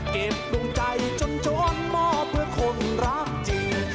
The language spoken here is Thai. เก็บดุงใจจนจรณ์เมาะเพื่อคนรักจริง